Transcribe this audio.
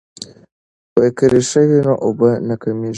که ریښه وي نو اوبه نه کمیږي.